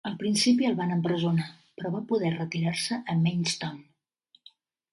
Al principi el van empresonar, però va poder retirar-se a Maidstone.